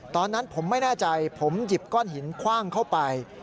ตอนนั้นผมไม่แน่ใจผมหยิบก้อนหินคว่างเข้าไป